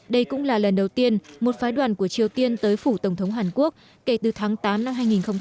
đây cũng là lần đầu tiên một phái đoàn của triều tiên tới phủ tổng thống hàn quốc kể từ tháng tám năm hai nghìn chín